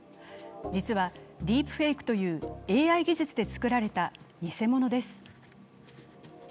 実はディープフェイクというＡＩ技術で作られた偽物です。